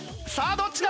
どっちだ？